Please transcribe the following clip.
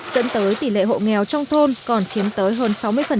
dẫn tới tỷ lệ hộ nghèo trong thôn còn chiếm tới hơn sáu mươi